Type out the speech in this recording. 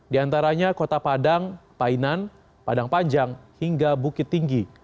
di antaranya kota padang painan padang panjang hingga bukit tinggi